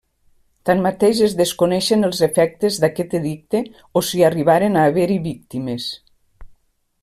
Tanmateix es desconeixen els efectes d'aquest edicte o si arribaren a haver-hi víctimes.